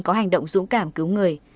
có hành động dũng cảm cứu người